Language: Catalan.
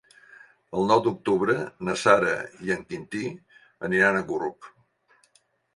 El nou d'octubre na Sara i en Quintí aniran a Gurb.